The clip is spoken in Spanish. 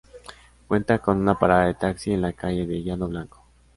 Cuenta con una parada de taxi en la calle de Llano Blanco.